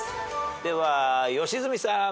では良純さん。